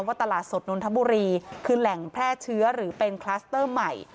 ตลาดสดนนทบุรีคือแหล่งแพร่เชื้อหรือเป็นคลัสเตอร์ใหม่